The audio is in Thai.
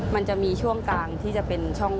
มันจะมีช่วงกลาง